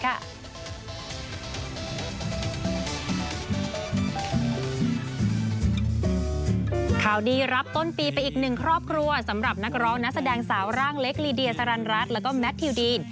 ข่าวดีรับต้นปีไปอีกหนึ่งครอบครัวสำหรับนักร้องนักแสดงสาวร่างเล็กลีเดียสรรรัสแล้วก็แมททิวดีน